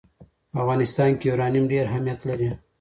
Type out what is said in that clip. په افغانستان کې یورانیم ډېر اهمیت لري.